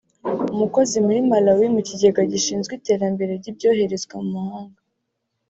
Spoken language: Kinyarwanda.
umukozi muri Malawi mu kigega gishinzwe iterambere ry’ibyoherezwa mu mahanga